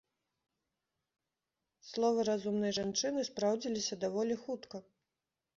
Словы разумнай жанчыны спраўдзіліся даволі хутка.